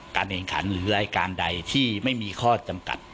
การแข่งขันหรือรายการใดที่ไม่มีข้อจำกัด